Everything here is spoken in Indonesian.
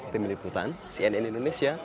tim liputan cnn indonesia semoga berhasil